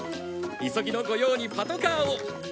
急ぎのご用にパトカーを！